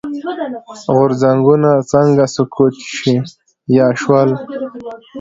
غورځنګونه څنګه سقوط شي یا شول.